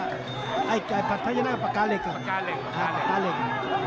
ผัดพัชน์ด้านหน้าการับปลากาเหล็ก